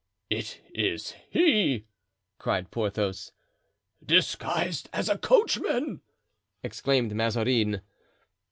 "It is he!" cried Porthos. "Disguised as a coachman!" exclaimed Mazarin.